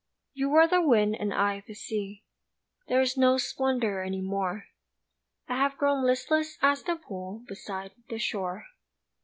You were the wind and I the sea There is no splendor any more, I have grown listless as the pool Beside the shore.